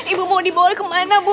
ibu mau dibawa kemana bu